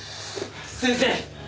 先生！